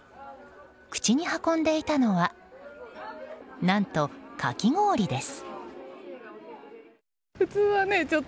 口に運んでいたのは何と、かき氷です。